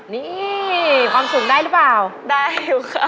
นี่ความสุขได้หรือเปล่าได้อยู่ค่ะ